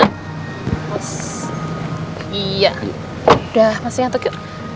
udah masih ngantuk yuk